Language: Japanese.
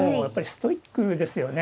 ストイックですよね。